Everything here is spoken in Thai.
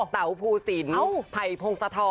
เต๋าภูสินไผ่พงศธร